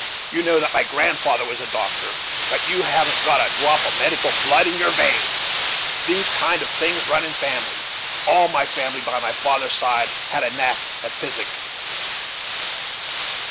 You know that my grandfather was a doctor, but you haven't got a drop of medical blood in your veins. These kind of things run in families. All my family by my father's side had a knack at physic.